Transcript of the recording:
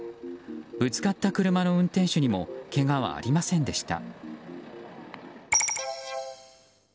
ぶつかった車の運転手にもけがはありませんでした。